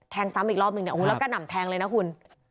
ซ้ำอีกรอบนึงเนี่ยโอ้โหแล้วก็หนำแทงเลยนะคุณ